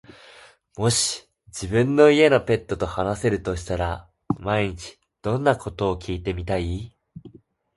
もし自分の家のペットと話せるとしたら、毎日どんなことを聞いてみたい？